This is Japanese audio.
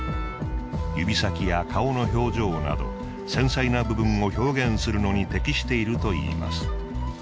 指先や顔の表情など繊細な部分を表現するのに適しているといいます。